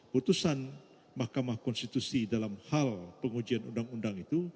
putusan mahkamah konstitusi dalam hal pengujian undang undang itu